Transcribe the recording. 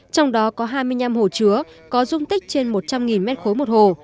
trong đó có hai mươi năm hồ chứa có dung tích trên một trăm linh m ba một hồ